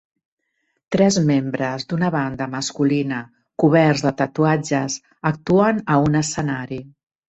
Tres membres d'una banda masculina coberts de tatuatges actuen a un escenari